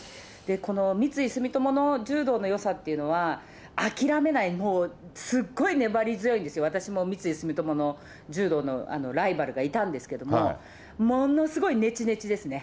この三井住友の柔道のよさっていうのは、諦めない、もうすっごい粘り強いんですよ、私も三井住友の柔道のライバルがいたんですけれども、ものすごいねちねちですね。